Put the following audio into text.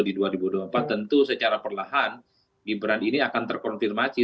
di dua ribu dua puluh empat tentu secara perlahan gibran ini akan terkonfirmasi